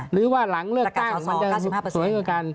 หรือว่าหลังเลือกตั้งมันจะสวยกว่ากัน